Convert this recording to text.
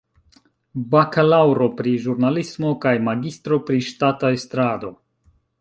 Bakalaŭro pri ĵurnalismo kaj magistro pri ŝtata estrado.